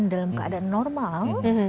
dalam keadaan normal